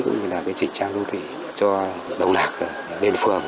cũng như là trình trang công ty cho đồng lạc đền phường